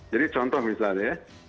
jadi contoh misalnya ya